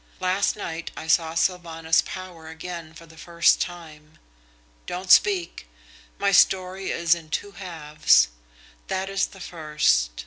Last night I saw Sylvanus Power again for the first time. Don't speak. My story is in two halves. That is the first.